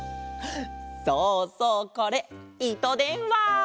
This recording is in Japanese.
そうそうこれいとでんわ！